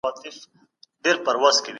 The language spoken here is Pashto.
دا هم صدقه ده.